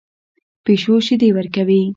پیشو شیدې ورکوي